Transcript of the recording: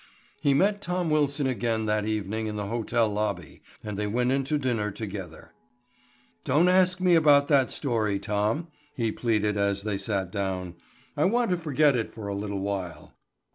He met Tom Wilson again that evening in the hotel lobby and they went into dinner together. "Don't ask me about that story, Tom," he pleaded as they sat down. "I want to forget it for a little while."